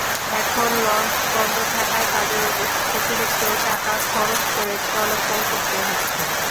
এখন লঞ্চ বন্ধ থাকায় তাঁদের অতিরিক্ত টাকা খরচ করে চলাচল করতে হচ্ছে।